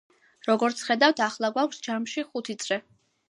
როგორც ხედავთ, ახლა გვაქვს ჯამში ხუთი წრე.